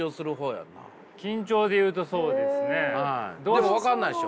でも分からないっしょ？